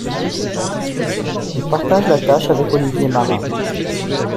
Il partage la tâche avec Olivier Marin.